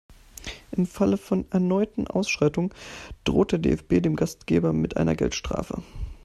Im Falle von erneuten Ausschreitungen droht der DFB dem Gastgeber mit einer Geldstrafe.